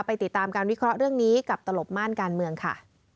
ติดตามการวิเคราะห์เรื่องนี้กับตลบม่านการเมืองค่ะ